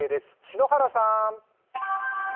篠原さん。